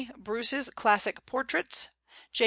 Bruce's Classic Portraits; J.